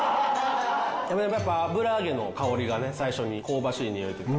でもやっぱ油揚げの香りがね最初に香ばしいにおいというか。